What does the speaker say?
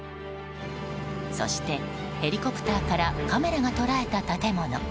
そして、ヘリコプターからカメラが捉えた建物。